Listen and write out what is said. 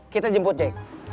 kita jemput jake